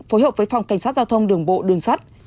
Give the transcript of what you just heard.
phối hợp với phòng cảnh sát giao thông đường bộ đường sắt